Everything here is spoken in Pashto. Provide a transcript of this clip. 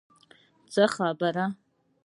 څه خبره.